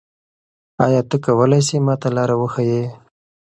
آیا ته کولای سې ما ته لاره وښیې؟